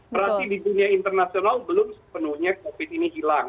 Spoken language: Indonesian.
berarti di dunia internasional belum sepenuhnya covid ini hilang